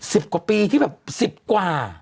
สิบกว่าปีที่แบบสิบกว่า